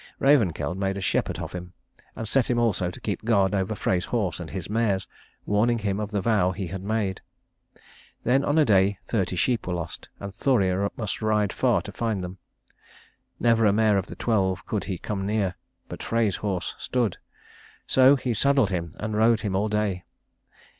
Ravenkeld made a shepherd of him, and set him also to keep guard over Frey's horse and his mares, warning him of the vow he had made. Then on a day thirty sheep were lost and Thoreir must ride far to find them. Never a mare of the twelve could he come near, but Frey's horse stood; so he saddled him and rode him all day.